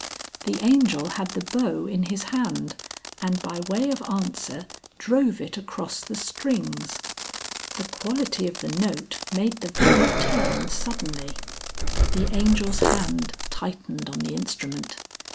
The Angel had the bow in his hand, and by way of answer drove it across the strings. The quality of the note made the Vicar turn suddenly. The Angel's hand tightened on the instrument.